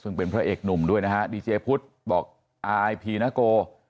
ซึ่งเป็นพระเอกหนุ่มด้วยนะฮะดีเจพุทธบอกอายพีนาโก